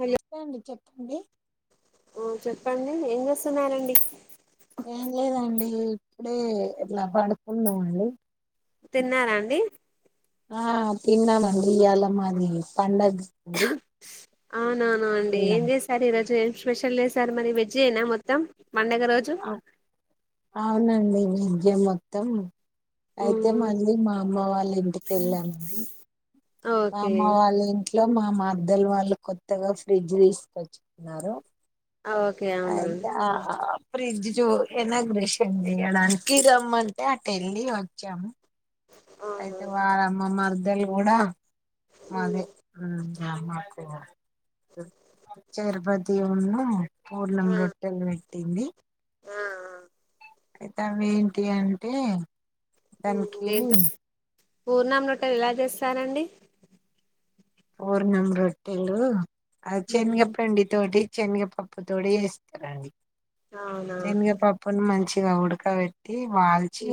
Hello చెప్పండి చెప్పండి. చెప్పండి ఏం చేస్తున్నారండి. ఏం లేదండి ఇప్పుడే ఇలా పడుకున్నాండి. తిన్నారాండి ఆ పిన్న వండ్రి ఏళమది పండగ వండ్రి అవునవును అండి ఏం చేసారు ఈరోజు స్పెషల్ లే సార్ మరి వెజ్ అయినా మొత్తం పండగ రోజు ఆ, అవునండి విద్య మొత్తం అయితే మ్మ్ మళ్ళీ మా అమ్మ వాళ్ళ ఇంటికి వెళ్ళామండి. ఓకే మామ వాళని ఇంట్లో మా మద్దలు వాళ్ళు కొత్తగా ఫ్రిడ్జ్ తీసుకొచ్చున్నారు. ఓకే అవున ఫ్రిడ్జ్ ఎనాగ్రేషన్ చేయడానికి రమ్మంటే అటు వెళ్ళి వచ్చాము. అయితే వార అమ్మమ్మ ఇల్ కూడాడా అదే ఆ అ చర్బద్ దేవున్న పూర్ణం రొట్టల్ పెట్టింది. అయితే అవి ఏంటి అంటే దంకని ఏంటో పూర్ణం రొట్టెలు ఇలా చేస్తారండి. పూర్ణం రొట్టెలు అది ఉమ్ చెనగప్పండి తోటి శనగపప్పు తోటి చేస్తారండి. అవునా శనగపప్పు ను మంచి ఇగ ఉడకబెట్టి వాల్చి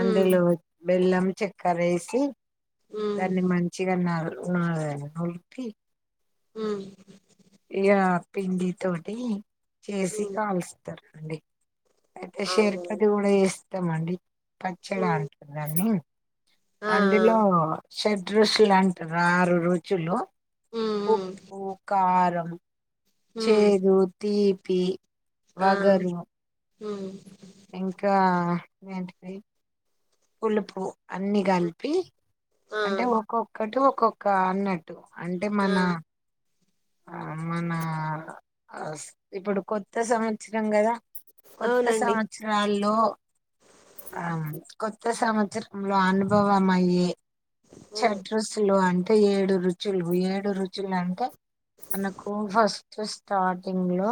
మ్మ్ బెల్లం చెక్కర ఏసి మ్మ్ దాన్ని మంచిగాన్నారు నాదే అల్కి ఆ పిండి తోటి చేసి మ్మ్ కాల్స్ తర్ అండి అతే అవునా శేర్పది కూడా చేస్ మండి పచ్చడా మ్మ్ అంటుందాన్ని ఆ ఆ అందులో షడ్రుచులు అంటరు ఆరు రుచులు మ్మ్ మ్మ్ ఉప్పు కారం మ్మ్ చేదు తీప్ పి వగరు హ వెయాంటివి పులుపు అన్ని కలిపి ఆ అంటే ఒక్కొక్కటి ఒ ఒక్కొక్క అన్నట్ అంటే ఆ మన ఆ మన ఇప్పుడు కొత్త సంవత్సరం కదా కొత్త అవునండి సంవత్సరాలు లో ఆ కొత్త సంవత్సరంలో అనుభవం అయ్యే ఉమ్ షడ్రుచులు అం అంటే ఏడు రుచులు ఏడు రుచులు అంటే మనకు హస్ స్టార్టింగ్ లో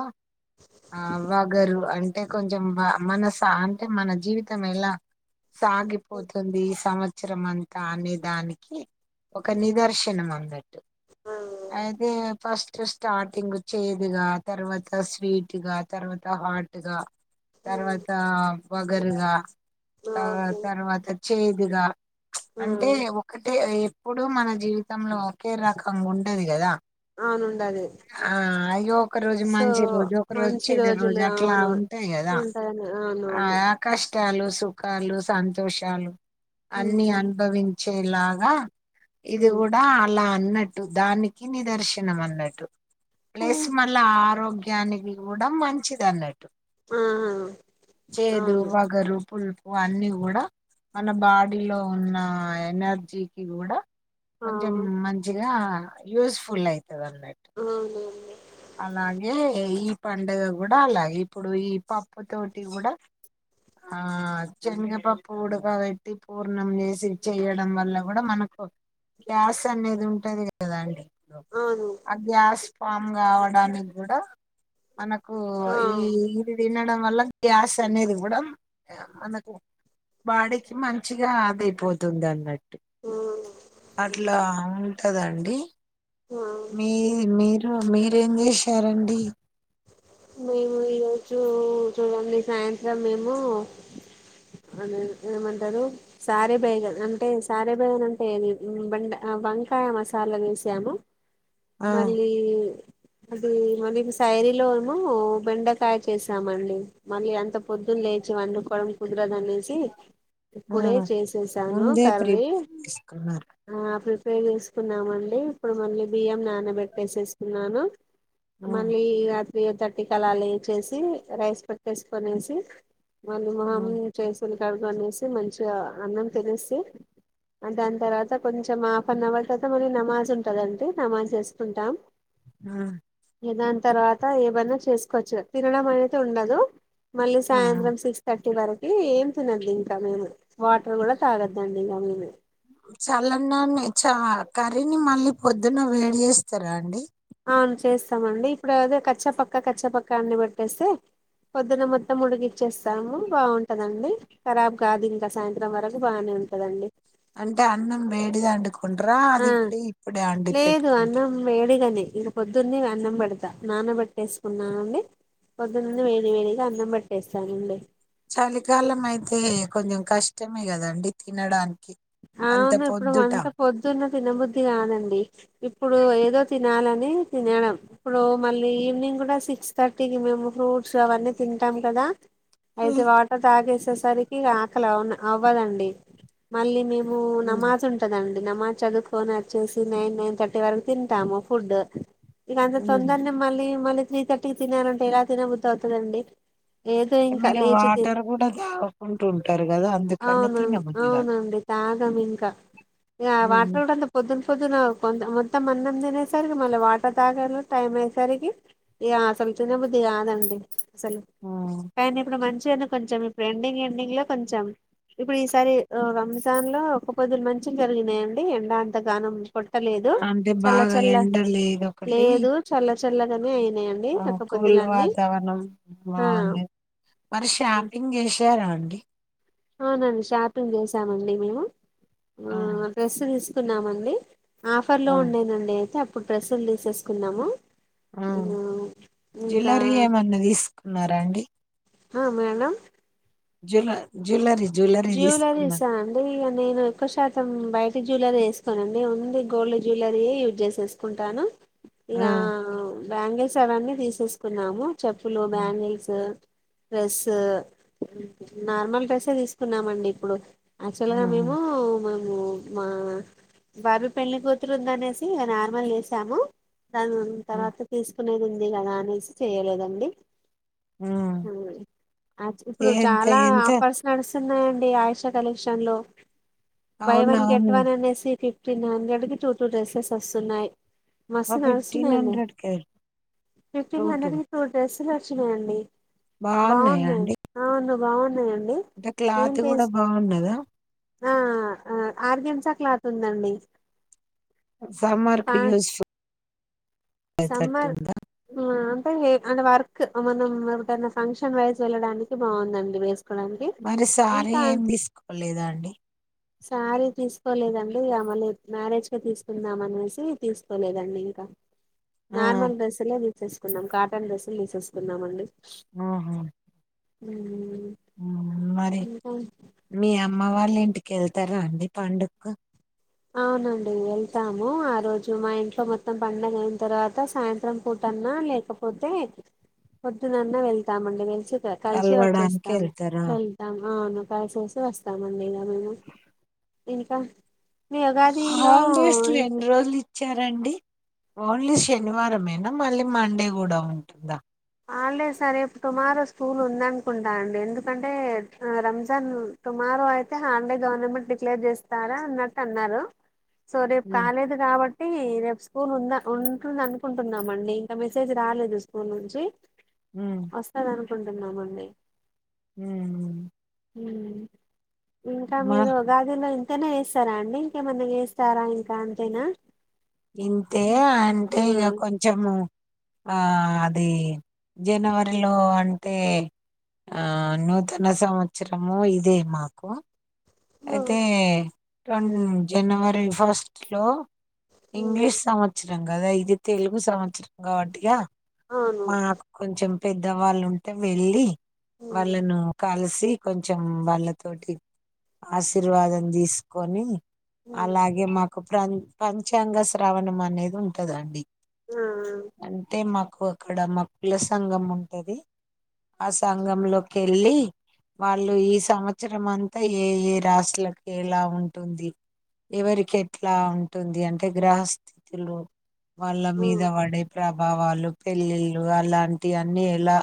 ఆ వగరు అన్ అంటే కొంచెం మ మానస అంటే మన జీవితం ఎలా సాగిపోతుంది ఈ సంవ అవసరంతా అనే దానికి ఒక నిదర్శనం అందట్టు అయితే ఫస్ట్ స స్టార్టింగ్ చేదుగా తర్వాత స్వీట్ గా తర్వాత హాట్ గా ఓకే తర్వాత వగరుగా ఆ తర్వాత చేదుగా అంటే ఒకటే ఎ ఇప్పుడు మన జీవితంలో ఒకే రకం ఉండదు కదా అవునుండ అదే ఒక్క రోజు సో మంచి రోజు ఒకరు మంచి వచ్చేది రోజు రోజులు అట్లా అవును ఉంటాయి కదా ఉంటాయని ఆ అవునవును ఆకాశ కష్టాలు సుఖాలు సంతోషాలు అన్నిీ ఉమ్, అనుభవిం చేయిర్ లాగా ఇది ఉమ్. కూడా అలా అని అన్నట్టు దానికి నిదర్శనం అన్నట్టు వెేస్ మల్ల ఆరోగ్య క్యానవి మూడం మంచిది అన్నట్టు ఆ చేదు అవును వగరు పుల్పు ఇవన్నీ కూడా మన బాడీలో ఉన్న ఎనర్జీకి కూడా ఆ కొంచం మంచిగా యూస్ఫుల్ అయితది అనేమాట ఆ అలాగే ఈ పండుగ కూడా అలాగే ఇప్పుడు ఈ పప్పు తోటి కూడా ఆ శనగపప్పు ఉడక పెట్టి పూర్ణం చేసి చెయడం వల్ల కూడా మనకు గ్యాస్ అనేది ఉంటది కదాండి అవును అ గ్యాస్ ఫమ్ కావడానికి కూడా మన ఓ ఆ ఈ ఇ డం వల్ల గ్యాస్ అనేది కూడా మనకు బాడీకి మంచిగా ఆదైపోతుంది అన్నట్టు ఆ, అట్లా కదాఅండి ఆ. మీ మీరు మీ ఇంగ్లీ సారండి మేము ఈరోజు చూడండి సాయంత్రం మేము అద ఏమంటారు సారే బేగన్ అంటే సారే బేగన్ అంటే ఏది బంట వంకాయ మసాలా వేసాము ఆ మళ్ళీ అదే మ శైరీలోమో బెండకాయ చేసామండి మళ్ళీ అంత పొద్దున్న లేచి వండుకోవడం కుదు నేసి ఆ ఇప్పుడే చేసేసాను ముందే కర్రడు ప్రిపేర్ చేసుకున్నారా చేసుకున్నామండి ఇప్పుడు మళ్ళీ బియ్యం నానబెట్టేసేసుకున్నాను ఆ రాత్రి తట్టి కలాలిచ్చేసి రైస్ పెట్టేసుకనేసి మళ్ాలు మహమ్ హ్మ్. చేైసలు క అనేసి మంచిగా అన్నం తెలిసి దాని తర్వాత కొంచెం హాఫ్ అన్ అవర్ తవాత మన నమాజ్ ఉంటదండి నమాజ్ వేసుకుంటాం ఆ దాని తర్వాత ఏవన్నా చేసుకోవచ్చు తినడం అనేతే ఉండదు మళ్ళీ ఆహా! సాయంత్రం సిక్స్ ర్ ఇటి వరకు ఏం తినద్దు ఇంకా మేము వాటర్ కూడా తాగద్దండి ఇంక మేము చల్లన్నా చ కర్రీని మళ్ళీ పొద్దున్న వేడి చేస్తారా అండి అవును చేస్తామండి ఇప్పుడు అద కచ్చాపక్క కచ్చాపక్క అన్నిీ పెట్టేస్తే పొద్దున మొత్తం ముడికిచ్చేస్తాము బాగుంటుందండి ఖరాబ్ కాదు ఇంకా సాయంత్రం వరకు బాగానే ఉంటుందండి అంటే అన్నం వేడిద అండుకో ట ఆ అది ఇడి ఇప్పుడ ఆం లేదు కట్కుంట అన్నం వేడిగానే ఇంక పొద్దున్నన్న అన్నం పెడతా నానబట్టేసుకున్నానండి పొద్దున్నని వేడి వేడిగా అన్నం పెట్టేస్తానండి చలికాలం అయితే కొంచెం కష్టమే కదండి తినడానికి అంత అవును ఇప్పుడు పొద్దుట మంత పొద్దున్న తినబుద్ధి కాదండి ఇప్పుడు ఏదో తినాలని తినడం ఇప్పుడు మళ్ళీ ఈవినింగ్ కూడా సిక్స్ థర్టీకి మేము ఫ్రూట్స్ అవన్నీ తింటాం కదా అయితే హ్మ్. వాటర్ తగ వచ్చేసరికి ఇక ఆకలి అ అవ్వదండి మళ్ళీ మేము హ్మ్. నమాజ్ ఉంటదండి న్నమా చదువుకొని వచ్చేసి నైన్ నైన్ థర్టీ వరకు తింటాము ఫుడ్ ఇక అంత హ్మ్. తొందర న మళ మళ్ త్రీ తర్టీ తినారంట ఎలా తినో గుర్ అవుతుదండి మీరు వాటర్ కూడా తాగుకుంటూ ఉంటారు కదా అందుకన్నా తినబుద్ది కాదు అ తాగం ఇంకా ఇ వాటలు కూడా అంత పొద్దు పొద్దున కొ మొత్తం అన్నం తినేసరికి మళ్ళీ వాటర్ తాగలో టైం అయేసరికి ఇ అసలు తినే బుద్ధి కాదండి అసలు కానీ ఇప్పుడు మంచిగా ఎన్న కొంచెం ఇప్పుడు ఎండింగ్ ఎండింగ్ లో కొంచెం ఇప్పుడు ఈసారి ా లో ఒక పొద్దు మంచిలు జరిగినాయండి ఎండా అంతగానం కొట్టలేదు అంటే చల బాగా చల్ల ఎండ లేదు ఒకటి లేదు చల్ చల్లగానే అయి కూల్ వాతావరణం ఆ బాగుందిదు మరి షాపింగ్ చేసి సార అండి అవునండి షాపింగ్ చేసామండి మేము ఆ రస్ స్తున్నామండి ఆఫర్ లో ఆ ఉండేనండి చెప్ప ఇప్పుడు ప్రెస్లు తీసేసుకున్నాము ఆ మ్మ్ ఇంకా జులరీ ఏమన్నదిసు కున్నారా అండి ఆ మేడం జుల జ్యులరి జ్యవలరీసా అంటే ఇక నేను ఎక్క్క శాతం బయ జువలరీ వేసుకోనండి ఓన్ గోల్డ్ జ్యువలరీ యూజ్ చేసేసుకుంటాను ఆ రా బ్యాంగల్ సారన్ని తీసేసుకున్నాము చెప్పులు బ్యాంగల్స్ డ్రెస్ నార్మల్ డ్రెస్ే తీసు చన్నామండి ఇప్పుడు యాక్చువల్ గా ఆ మేము మా బాబు పెళ్లి కూతురు ఉందనేసి ఇ నార్మల్ చేసాము దాని తర్వాత తీసుకునేది ఉ ీ క అనేసి చేయలేదండి ఆ ఇప్పుడు ఎంత చాలా ఎంత ఆఫర్స్ నడుస్తా స్తున్నాయండి ఆయుష కలెక్షన్ లో బై వన్ గెట్ అవునవును వన్ అనేసి ఫిఫ్ తన్ హండ్రెడ్ కి టూ టూ డ్రెసెస్ వస్తున్నాయి ఆ మసన్సిన ఫిఫ్టీన్ హండ్రెడ్ కే ఫిఫటీన్ హ్రె టోటు టూ వచ్చిన అండి బాగున్నాయా బావున్న అండి అవును వానే అంటే క్లాత్ కూడా బాగున్నదా ఆ ఆరు దంసా క్లాతుందండి సమ్మార్కు యూస్ ఫుల్ చట్టు సమ్మర్ ఉందా అంటే అంటే వర్క్ మనం ఒకనా ఫంక్షన్ వైజ్ వెళ్ళడానికి బాగుందండి వేస్ట్ మరిసారి ఏం తీసుకోలేదాండి సారీ తీసుకోలేదండి మళ మ్యారేజ్ క తీసుకుందాం అనేసి తీసుకోలేదండి ఇంకా ఆ నార్మల్ డ్రెస్ ఎ తీసుకున్నాం కాటన్ డ్రెస్సులు తీసేసుకున్నాంమండి ఆ హా ఉ ఆ మరి మీ అమ్మ వాళ్ళ ఇంటికెళ్తారా అండి పండుగ అవునండి వెళ్తాము ఆ రోజు మా ఇంట్లో మొత్తం పండగ అయిన తర్వాత సాయంత్రం పూటన్నా లేకపోతే పొద్దునన్నా వెళ్తామండి వెలిసి కలిసి కలవడానికి వచ్చేస్తాం వెళ్తారా వెళ్తాం అవును కా చూసి వస్తామండి ఇలా మేము ఇంకా మీ హా ఉగాదిలో ఇంక్ వయస్తలేన్్ర అల్ సరండి ఓన్లీ శనివారంమేనా మళ్ళీ మండే కూడా ఉంటుందా హాల్డే సరేపు టుమారో స్కూల్ ఉంద అనుకుంటానండి ఎందుకంటే రంజాన్ టుమారో అయితే హాల్డే గవర్నమెంట్ డిక్లేర్ చేస్తారా అన్నట్టు అన్నారు సో రేపు ఉమ్ కాలేదు కాబట్టి ఏ రేపు స్కూల్ ఉంద ఉంటుంది అనుకుంటున్నామండి ఇంకా మెసేజ్ రాలేదు స్కూల్ నుంచి ఉమ్ వస్తా నను న్నా మన్నీ హ ఉ ఇంకా మీరు గ అదిలాంత అంతేనా చేస్తారా అండి ఇంకేమంది చేస్తారా ఇంకా అంతేనా ఇంతే అంటే ఆ ఇక కొంచెము ఆ అది జనవరిలో అంటే ఆ నూతన సంవత్సరము ఇదే మాకు ఆ. అదతేన్ జనవరి బ్రేక్ఫాస్ట్ లో ఉమ్. ఇంగ్లీష్ సమచ్చం సం కదా ఇది తెలుగు సంవత్సరం కాబట్టిగా అవును మాకు కొంచెం పెద్దవాళ్ళుంటే వెళ్ళి ఉమ్. వాళ్ళను కాలుసి ది కొంచెం వాళ్ళతోటి ఆశీర్వాదం తీసుకొని ఉమ్. అలాగే మ ఒక ప్ర పంచాంగ శ్రావణం అనేది ఉంటదండి ఆ అంటే మాకు అక్కడ మకుల సంఘం ఉంటది ఆ సంఘంలోకి వెళ్ళి వాళ్ళు ఈ సంవత్సరం అంతా ఏ ఏ రాసుకి ఎలా ఉంటుంది ఎవరికి ఎట్లా ఉంటుంది అంటే గ్రహస్థితిలో వాళ్ళ ఆ మీద పడే ప్రభావాలు పెళ్ళిళ్ళు అలాంటి అన్నీ ఎలా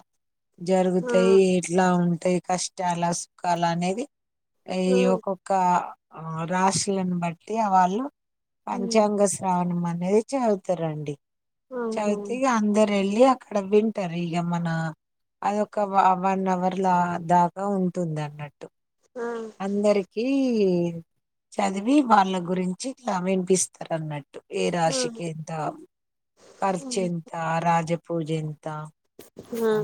జరుగుతాయి ఎట్లా ఉంట అంటయి కష్టాల సుఖాల అనేది ఈ ఆ ఆ. ఒక్కొక్క ఆ రాసులను బట్టి ఆ వాళ్ళు ఉమ్. పంచాంగ శ్రావణమా అనేది చదువుతారాండి ఆహా చయితే అందర వెళ్ళి అక్కడ వింటారు ఇక మన అదొక వన్ అవర్ దలా దాకా ఉంటుంది అన్నట్టు ఆ అందరిక చదివి వాళ్ళ గురించి ఇట్లా వినిపిస్తారు అన్నట్టు ఏ ఆ రాశిక ఇంత ఉమ్. ఖర్చంత రాజ పూజెంత ఆ అ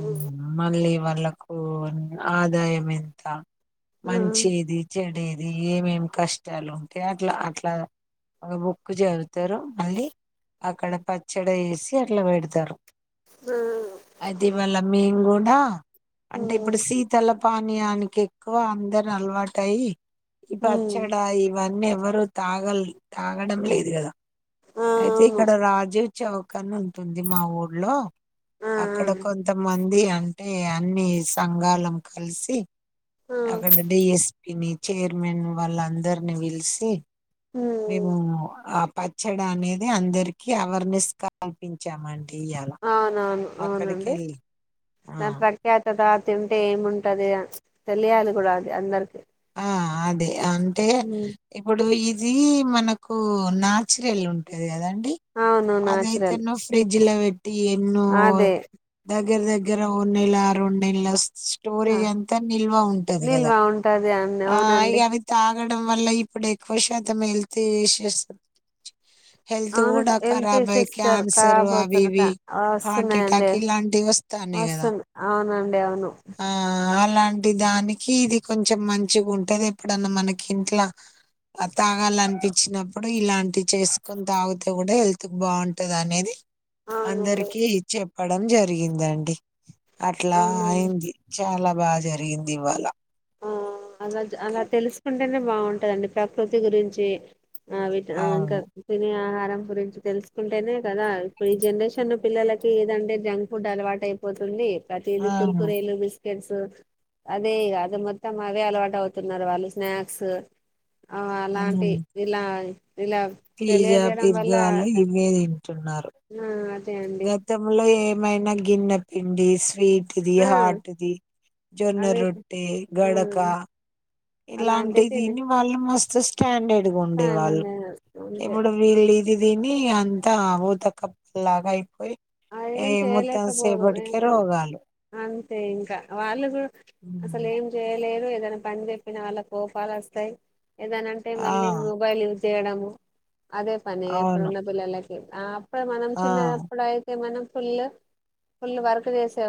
మళ్ళీ వాళ్ళకు ఆదాయం ఎంత ఆ ఆ. మంచిది చెడేది అది ఏమేమి కష్టాలు ఉంటే అట్లా అట్లా ఒక బుక్కు చదువుతారు మళ్ళీ అక్కడ పచ్చడి వేసి అట్లా పెడతారు ఆ అయిది ఇవళ మ మీ గుూడా అంటే ఇప్పుడు ఉమ్. శీతల పానీయానికి ఎక్కువ అందరు అలవాటయి ఇ ఉమ్. పచ్చడ ఈవన్ ఎవరు తాగల్ తాగడం లేదు కదా ఆ, అయితే అవును ఇక్కడ రాజు చౌకని ఉంటుంది మా ఊర్లో ఆ అక్కడ ఆ కొంత మంది ఇది అంటే అన్ని సంఘాలం కలిసి ఆ. అక్కడ డిఎస్పి ని చైర్మన్ వాళ్ళ అందరిని పలిసి మేము ఉమ్. ఆ పచ్చడి అనేది అందరికి అవేర్నెస్ కల్పించామండి ఇయ్యాల అవునాను అక్కడికి అవునండి వెళ్ళి ఆ ప్రఖ్యాత రా తింటే ఏముంటది ఉచు తెలియాలి కూడా అది అందరికి ఆ అదే అంటే ఇప్పుడు ఈ ఇది మనకు నాచురల్ ఉంటది కదండి అవును న్యాచురల్ జిల్లా ఎన్నో దగ దగ్గర దగ్గర ఒక నెల రెండు నెలలు ఆ, స్టోరేజ్ అంతా నిల్వ ఉంటది కదా నిల్వ ఉంటది అండి ఆ అవునండి అవితా తగడం వల్ల ఇప్పుడు ఎక్కువ శాతం హెల్త్ ఇష్యూస్ హెల్త్ అవును కూడా హెల్త్ ఖరాబ్ అయి ఇష్యూస్ క్యాన్సర్ అవి కాబోతున్నా ఇవి హార్ట్ వస్తున్నాయండి అటాక్ ఇలాంటివి వస్తాన్నాయి కదా వస్తు అవునండి అవును ఆ అలాంటి దానికి ఇది కొంచెం మం మంచిగా ఉంటది ఎప్పుడన్నా మనకి ఇంట్లో తాగాలనిపించినప్పుడు ఇలాంటి చేసుకొని తాగితే కూడా హెల్త్ బాగుంటది అనేది అవునండి అందరికి ఇచ్చాం చెప్పడం జరిగిందండి అట్లా అవునండి అయింది చాలా బాగా జరిగింది ఇవాళ ఆ అలా అలా తెలుసుకుంటేనే బాగుంటదండి ప్రకృతి గురించి ఆ వింటా ఇంకా అవును తినే ఆహ గురించి తెలుసుకుంటేనే కదా ఇప్పుడు ఈ జనరేషన్ పిల్లలకి ఏదంటే జంక్ ఫుడ్ అలవాటు అయిపోతుంది పతిథి అవును కుర్కురేలు తెలుసు ఆ అదే అది మొత్తం అవే అలవాటు అవుతున్నారు వాళ్ళు స్నాక్స్ ఆ అలాంటి ఉమ్. ఇలా ఇలా పిజ్జా తెలియజేయడం వల్ల బిర్గాలు ఇవే తింటున్నారు ఆ అదే అండి గతంలో ఏ మైనా గిన్నెపిండి స్వీట్ ఇది ఆ హార్ట్ జొన్న అవే రొట్టే ఆ గడకా ఇలా అలాంటివి అంటిది తినే తిని మళ్లీ మా ఫస్ట్ స్టాండర్డ్ ఉండే వాళ్ళు అంతే ఇప్పుడు వీళ్ళ ఇ దీని అంతా ఊత కప్పు లాగా అయిపోయి అ ఏ ఏం మొత్తం చేయలేకపోదు ఏ సేపటికే రోగాలు అంతే ఇంకా వాళ్ళు కూడా అసలు ఉమ్. ఏం చేయలేరు ఏదన్న పని చెప్పిన వాళ్ళకు కోపాలొస్తయ్ ఏదన్నంటే ఆ మళ్ళీ మొబైల్ యూస్ తేడము అదే పని ఎప్పుడు అవును ఉన్న పిల్లలక్ ఆప్ ప మనం ఆ చినాయప్పాడ్ మనం ఫుల్ ఫుల్ వర్క్ చేసేవాళ